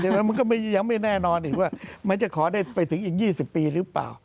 มันก็ยังไม่แน่นอนอีกว่ามันจะขอได้ไปถึงอีก๒๐ปีหรือเปล่า